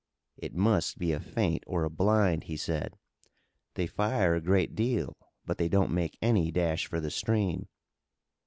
"It must be a feint or a blind," he said. "They fire a great deal, but they don't make any dash for the stream.